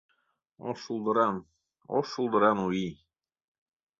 Ош шулдыран, ош шулдыран У ий.